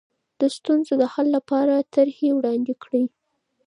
د ستونزو د حل لپاره طرحې وړاندې کړئ.